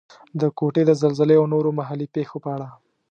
د کوټې د زلزلې او نورو محلي پېښو په اړه.